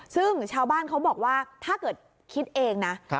ซึ่งชาวบ้านเขาบอกว่าถ้าเกิดคิดเองนะ